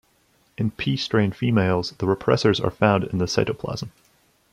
In P strain females, the repressors are found in the cytoplasm.